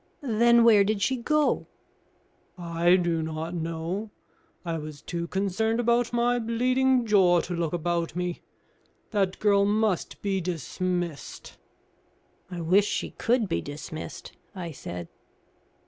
"Then where did she go?" "I do not know; I was too concerned about my bleeding jaw to look about me. That girl must be dismissed." "I wish she could be dismissed," I said.